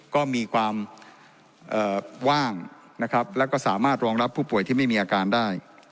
ก็มีความว่างนะครับแล้วก็สามารถรองรับผู้ป่วยที่ไม่มีอาการได้